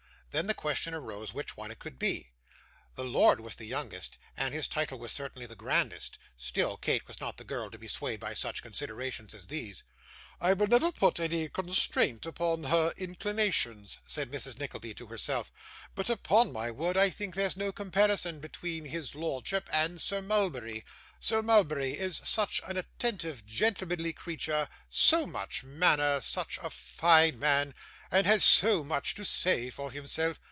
Then the question arose, which one could it be. The lord was the youngest, and his title was certainly the grandest; still Kate was not the girl to be swayed by such considerations as these. 'I will never put any constraint upon her inclinations,' said Mrs. Nickleby to herself; 'but upon my word I think there's no comparison between his lordship and Sir Mulberry Sir Mulberry is such an attentive gentlemanly creature, so much manner, such a fine man, and has so much to say for himself.